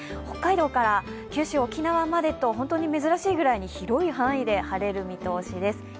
北海道から九州、沖縄までと珍しいくらい広い範囲で晴れる見通しです。